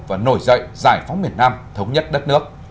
và nổi dậy giải phóng miền nam thống nhất đất nước